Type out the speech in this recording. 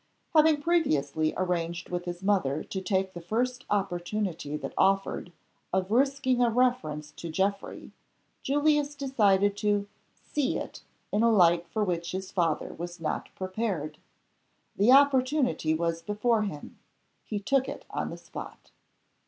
Having previously arranged with his mother to take the first opportunity that offered of risking a reference to Geoffrey, Julius decided to "see it" in a light for which his father was not prepared. The opportunity was before him. He took it on the spot.